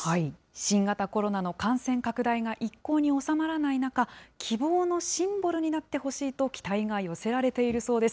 新型コロナの感染拡大が一向に収まらない中、希望のシンボルになってほしいと期待が寄せられているそうです。